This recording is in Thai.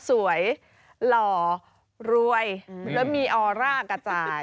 สวยหล่อรวยแล้วมีออร่ากระจาย